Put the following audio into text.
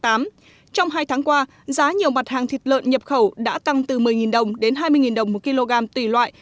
trong hai tháng qua giá nhiều mặt hàng thịt lợn nhập khẩu đã tăng từ một mươi đồng đến hai mươi đồng một kg tùy loại